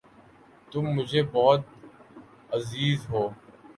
تم مجھے بہت عزیز ہو